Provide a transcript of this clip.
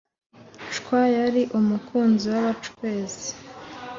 Cwa yari umukuru w’bacwezi